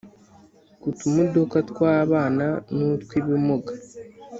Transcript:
ku tumodoka tw'abana n'utw'ibimuga